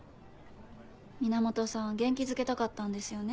源さん元気づけたかったんですよね。